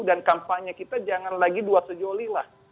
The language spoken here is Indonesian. dan kampanye kita jangan lagi dua sejoli lah